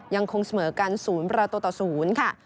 ยังคงเสมอกัน๐ประตูต่อ๐ค่ะ